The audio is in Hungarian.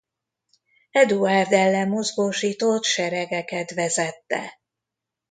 Eduárd ellen mozgósított seregeket vezette.